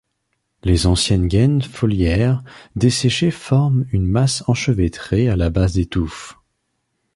Les anciennes gaines foliaires desséchées forment une masse enchevêtrée à la base des touffes.